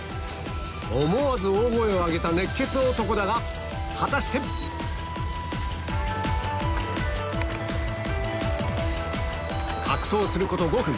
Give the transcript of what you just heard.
思わず大声を上げた熱血男だが果たして⁉格闘すること５分